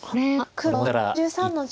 黒１５の十。